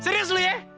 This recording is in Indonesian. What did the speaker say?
serius lu ya